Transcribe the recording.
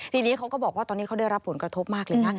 ทีนี้เขาก็บอกว่าตอนนี้เขาได้รับผลกระทบมากเลยนะ